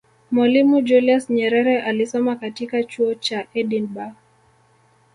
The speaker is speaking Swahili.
mwalimu julius nyerere alisoma katika chuo cha edinburgh